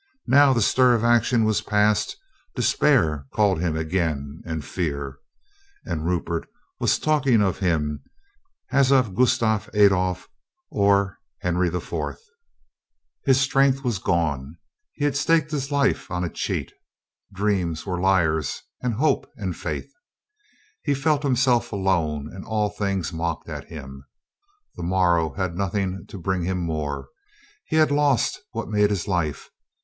Now the stir of action was past, despair called him again and fear. And Rupert was talking of him as of Gustav Adolf or Henri IV. His strength was gone. He had staked his life COLONEL STOW RESOLVES TO LAUGH 259 on a cheat. Dreams were liars and hope and faith. He felt himself alone and all things mocked at him. The morrow had nothing to bring him more. He had lost what made his life.